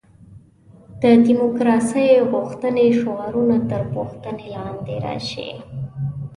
د دیموکراسي غوښتنې شعارونه تر پوښتنې لاندې راشي.